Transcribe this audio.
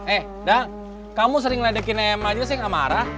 eh udah kamu sering ngeledekin ema aja saya gak marah